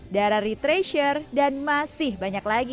darari treasure dan masih banyak lagi